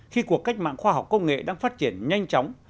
khi cuộc cách mạng khoa học công nghệ đang phát triển nhanh chóng